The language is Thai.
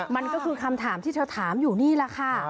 มันก็คือคำถามที่เธอถามอยู่นี่แหละค่ะ